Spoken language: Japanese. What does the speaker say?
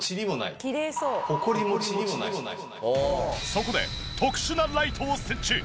そこで特殊なライトを設置。